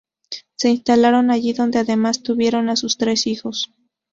Se instalaron allí, donde además tuvieron a sus tres hijos.